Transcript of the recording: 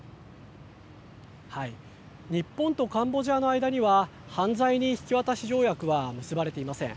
日本とカンボジアの間には、犯罪人引き渡し条約は結ばれていません。